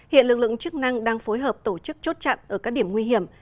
hiện lực lượng chức năng đang phối hợp tổ chức chốt chặn ở các điểm nguy hiểm